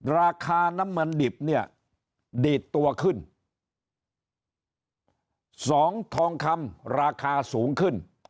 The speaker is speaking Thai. ราคาน้ำมันดิบเนี่ยดีดตัวขึ้นสองทองคำราคาสูงขึ้น